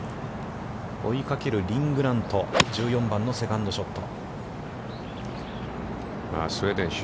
追いかけるリン・グラント、１４番のセカンドショット。